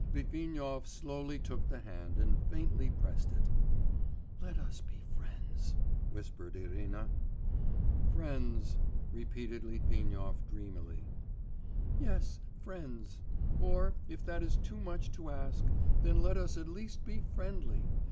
Litvinov slowly took the hand and faintly pressed it. 'Let us be friends,' whispered Irina. 'Friends,' repeated Litvinov dreamily. 'Yes, friends ... or if that is too much to ask, then let us at least be friendly....